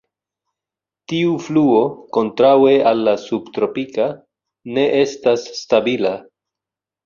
Tiu fluo, kontraŭe al la subtropika, ne estas stabila.